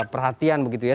perhatian begitu ya